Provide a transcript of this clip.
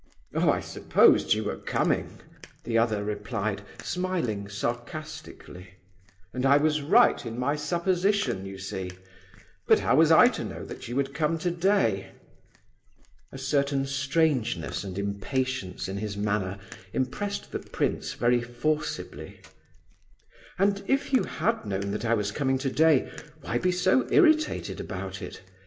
"Oh, I supposed you were coming," the other replied, smiling sarcastically, "and I was right in my supposition, you see; but how was I to know that you would come today?" A certain strangeness and impatience in his manner impressed the prince very forcibly. "And if you had known that I was coming today, why be so irritated about it?"